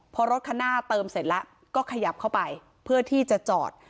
พอรถคันหน้าเติมเสร็จแล้วก็ขยับเข้าไปเพื่อที่จะจอด